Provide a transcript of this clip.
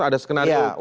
ada skenario yang rapi